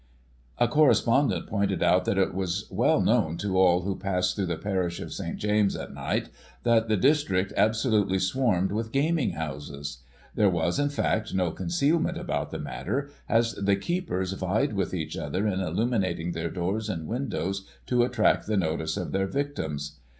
A correspondent pointed out that it was well known to all who pass through the parish of St. James's, at night, that the district absolutely swarmed with gaming houses; there was, in fact, no concealment about the matter, as the keepers vied with each other in illuminating their doors and windows to attract the notice of their victims.